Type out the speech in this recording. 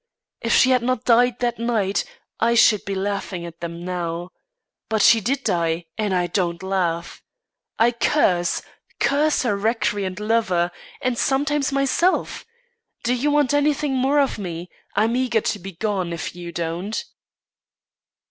If she had not died that night, I should be laughing at them now; but she did die and I don't laugh! I curse curse her recreant lover, and sometimes myself! Do you want anything more of me? I'm eager to be gone, if you don't."